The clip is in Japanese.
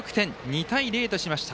２対０としました。